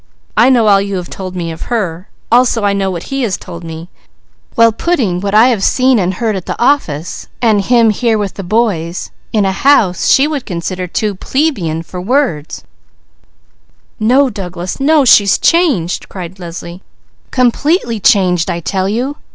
I know all you have told me of her, also I know what he has told me; while putting what I have seen, and heard at the office, and him here with the boys, in a house she would consider too plebeian for words " "No Douglas. No! She is changed!" cried Leslie. "Completely changed, I tell you!